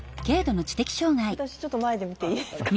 私ちょっと前で見ていいですか？